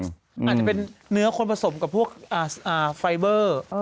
อาจจะเป็นเนื้อคนผสมกับพวกไฟเบอร์